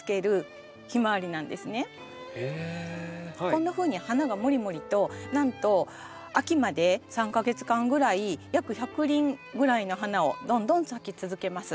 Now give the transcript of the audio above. こんなふうに花がもりもりとなんと秋まで３か月間ぐらい約１００輪ぐらいの花をどんどん咲き続けます。